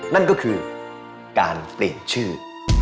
นั่นก็คือการเปลี่ยนชื่อ